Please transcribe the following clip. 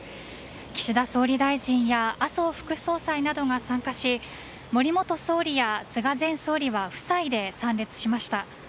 岸田総理大臣や麻生副総裁などが参加し森元総理や菅前総理は夫妻で参列しました。